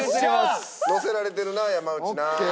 乗せられてるな山内な。